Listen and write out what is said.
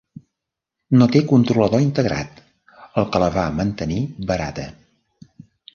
No té controlador integrat, el que la va mantenir barata.